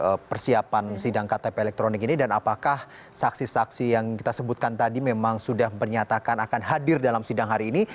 apa persiapan sidang ktp elektronik ini dan apakah saksi saksi yang kita sebutkan tadi memang sudah menyatakan akan hadir dalam sidang hari ini